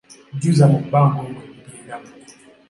Jjuza mu banga omwo ebigendamu.